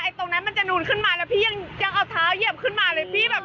ตรงนั้นมันจะนูนขึ้นมาแล้วพี่ยังเอาเท้าเหยียบขึ้นมาเลยพี่แบบ